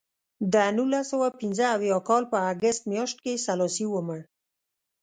د نولس سوه پنځه اویا کال په اګست میاشت کې سلاسي ومړ.